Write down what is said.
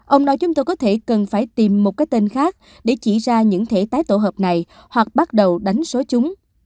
ông nói chúng tôi có thể cần phải tìm một cái tên khác để chỉ ra những thể tái tổ hợp này hoặc bắt đầu đánh số chúng